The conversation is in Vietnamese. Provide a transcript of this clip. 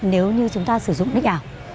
nếu như chúng ta sử dụng nick ảo